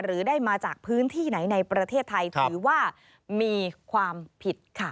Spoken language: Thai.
หรือได้มาจากพื้นที่ไหนในประเทศไทยถือว่ามีความผิดค่ะ